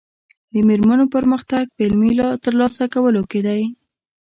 د مېرمنو پرمختګ په علمي ترلاسه کولو کې دی.